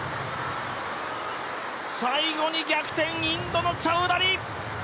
最後に逆転、インドのチャウダリ。